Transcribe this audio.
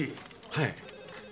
はい。